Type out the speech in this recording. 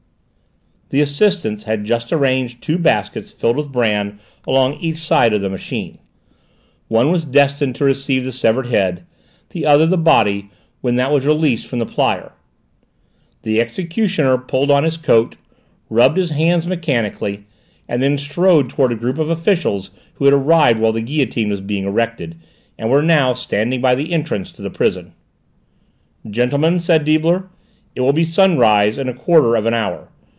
The assistants had just arranged two baskets filled with bran along each side of the machine; one was destined to receive the severed head, the other the body when that was released from the plyer. The executioner pulled on his coat, rubbed his hands mechanically, and then strode towards a group of officials who had arrived while the guillotine was being erected, and were now standing by the entrance to the prison. "Gentlemen," said Deibler, "it will be sunrise in a quarter of an hour.